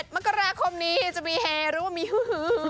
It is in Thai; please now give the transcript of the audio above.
มกราคมนี้จะมีเฮหรือว่ามีฮือ